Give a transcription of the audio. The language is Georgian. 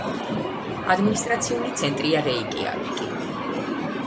ადმინისტრაციული ცენტრია რეიკიავიკი.